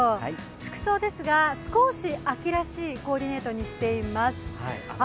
服装ですが少し秋らしいコーディネートにしています。